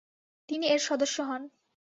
তিনি এর সদস্য হন ।